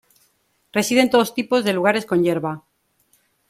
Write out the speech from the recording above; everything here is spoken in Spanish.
Reside en todos tipos de lugares con hierba.